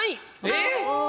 えっ？